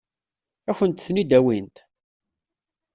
Ad kent-ten-id-awint?